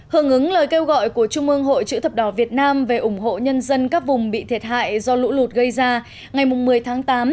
hưởng ứng lời kêu gọi của trung ương hội chữ thập đỏ việt nam về ủng hộ nhân dân các vùng bị thiệt hại do lũ lụt gây ra ngày một mươi tháng tám